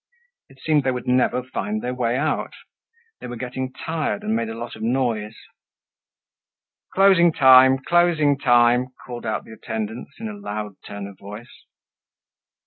It seemed they would never find their way out. They were getting tired and made a lot of noise. "Closing time! Closing time!" called out the attendants, in a loud tone of voice.